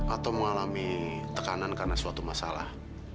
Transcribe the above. atau mengalami tekanan karena suatu masalah